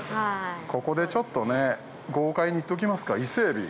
ここでちょっと、豪快にいっときますか、伊勢エビ。